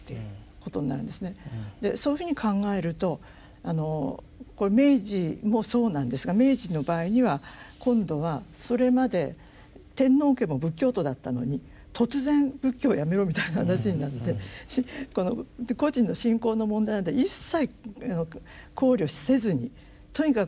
でそういうふうに考えるとあのこれ明治もそうなんですが明治の場合には今度はそれまで天皇家も仏教徒だったのに突然仏教をやめろみたいな話になって個人の信仰の問題なんて一切考慮せずにとにかく今度は神道なんだと。